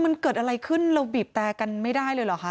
มันเกิดอะไรขึ้นเราบีบแต่กันไม่ได้เลยเหรอคะ